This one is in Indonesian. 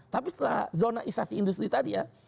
tapi setelah zonaisasi industri tadi ya